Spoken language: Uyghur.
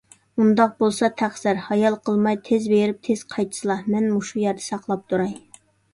ئۇنداق بولسا تەقسىر، ھايال قىلماي تېز بېرىپ تېز قايتسىلا! مەن مۇشۇ يەردە ساقلاپ تۇراي.